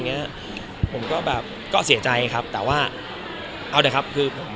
อยากบอกอะไรกับแฟนคับที่เขาอยากรักอยู่กับ